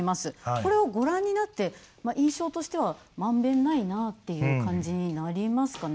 これをご覧になって印象としてはまんべんないなっていう感じになりますかね。